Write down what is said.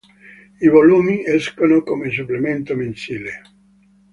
I volumi escono come supplemento mensile.